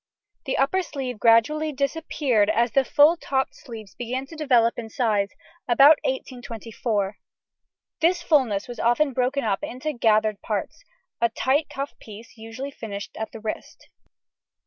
The upper sleeve gradually disappeared as the full topped sleeves began to develop in size, about 1824; this fullness was often broken up into gathered parts, a tight cuff piece usually finished at the wrist.